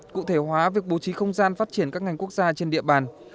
cụ thể hóa việc bố trí không gian phát triển các ngành quốc gia trên địa bàn